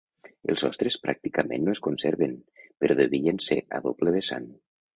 Els sostres pràcticament no es conserven, però devien ser a doble vessant.